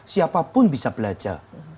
siapapun bisa belajar